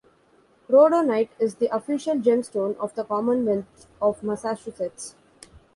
Rhodonite is the official gemstone of the Commonwealth of Massachusetts.